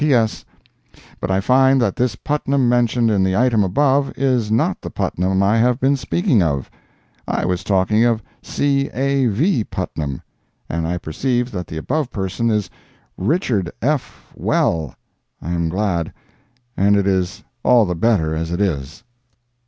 P.S.—But I find that this Putnam mentioned in the item above, is not the Putnam I have been speaking of. I was talking of C. A. V. Putnam, and I perceive that the above parson is Richard F. Well, I am glad—and it is all the better as it is.